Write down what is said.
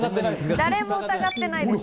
誰も疑ってないです。